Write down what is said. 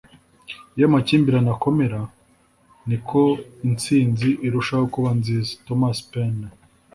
iyo amakimbirane akomera, niko intsinzi irushaho kuba nziza. - thomas paine